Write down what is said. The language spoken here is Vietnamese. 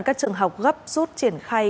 các trường học gấp rút triển khai